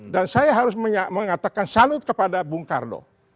dan saya harus mengatakan salut kepada bung kardo